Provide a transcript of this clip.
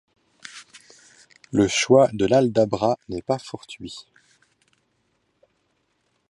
Le choix de l’Aldabra n’est pas fortuit.